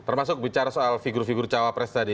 termasuk bicara soal figur figur cawa press tadi